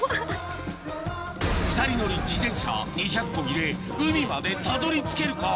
２人乗り自転車２００コギで海までたどり着けるか？